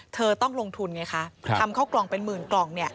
เธอต้องลงทุนไงคะทำเข้ากล่องเป็นหมื่นกล่องเนี่ย